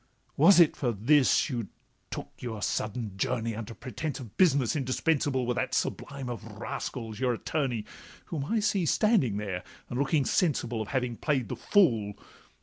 'Was it for this you took your sudden journey. Under pretence of business indispensable With that sublime of rascals your attorney, Whom I see standing there, and looking sensible Of having play'd the fool?